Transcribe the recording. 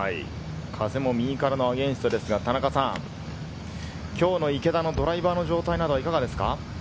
風も右からのアゲンストですが、今日の池田のドライバーの状態などはいかがですか？